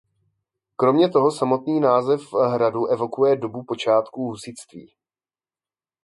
Kromě toho samotný název hradu evokuje dobu počátků husitství.